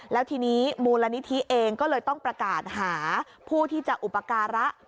แล้วทีนี้มูลนิธิเองก็เลยต้องประกาศหาผู้ที่จะอุปการะ